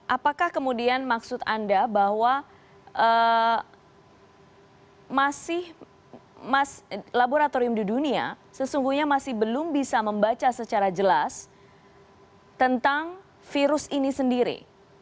apakah kemudian maksud anda bahwa masih laboratorium di dunia sesungguhnya masih belum bisa membaca secara jelas tentang virus ini sendiri